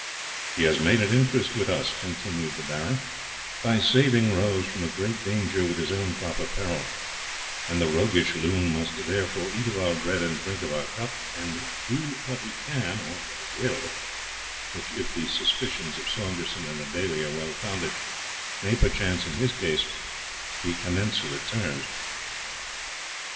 'He has made an interest with us,' continued the Baron, 'by saving Rose from a great danger with his own proper peril; and the roguish loon must therefore eat of our bread and drink of our cup, and do what he can, or what he will, which, if the suspicions of Saunderson and the Bailie are well founded, may perchance in his case be commensurate terms.'